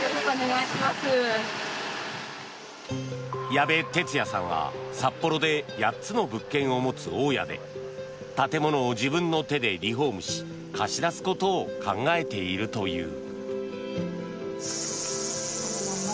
矢部てつやさんは札幌で８つの物件を持つ大家で建物を自分の手でリフォームし貸し出すことを考えているという。